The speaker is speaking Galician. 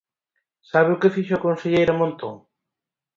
¿Sabe o que fixo a conselleira Montón?